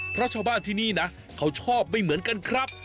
เพราะชาวบ้านที่นี่นะเขาชอบไม่เหมือนกันครับ